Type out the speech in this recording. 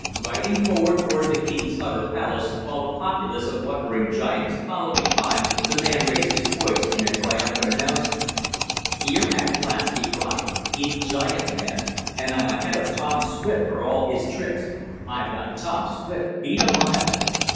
Riding forward toward the king's hut or palace, while the populace of wondering giants followed behind, the man raised his voice in a triumphant announcement. "Here at last!" he cried. "In giant land! And I'm ahead of Tom Swift for all his tricks. I've got Tom Swift beat a mile."